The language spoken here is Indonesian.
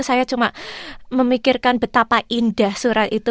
saya cuma memikirkan betapa indah surat itu